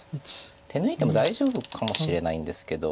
手抜いても大丈夫かもしれないんですけど。